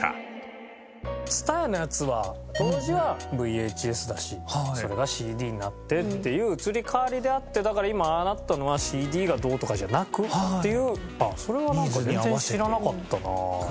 ＴＳＵＴＡＹＡのやつは当時はＶＨＳだしそれがＣＤになってっていう移り変わりであってだから今ああなったのはＣＤがどうとかじゃなくっていうそれはなんか全然知らなかったなあ。